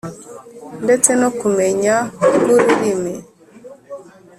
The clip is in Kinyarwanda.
ndetse no ku bumenyi bw’ururimi.